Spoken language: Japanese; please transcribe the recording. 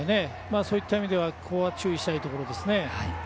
そういった意味ではここは注意したいところです。